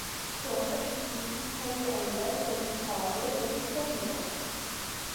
Krome, influis kelkaj aliaj specifaĵoj de Hispanio.